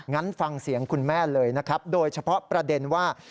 งั้นฟังเสียงคุณแม่เลยนะครับโดยเฉพาะประเด็นว่า